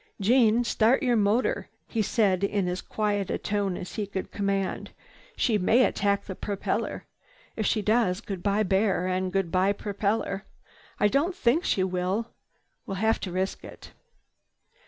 "Jeanne, start your motor," he said in as quiet a tone as he could command. "She may attack the propeller. If she does, goodbye bear and goodbye propeller. I don't think she will. We'll have to risk it."